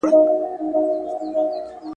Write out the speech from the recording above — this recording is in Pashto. د لویې جرګي ګډونوال ولي له لیرې سیمو راځي؟